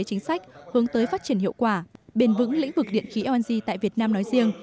chính sách hướng tới phát triển hiệu quả bền vững lĩnh vực điện khí lng tại việt nam nói riêng